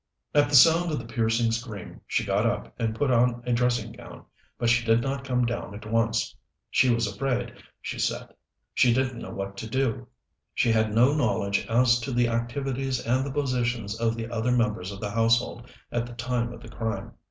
At the sound of the piercing scream she got up and put on a dressing gown, but she did not come down at once. She was afraid, she said she didn't know what to do. She had no knowledge as to the activities and the positions of the other members of the household at the time of the crime.